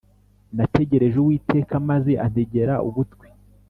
Nategereje uwiteka maze antegera ugutwi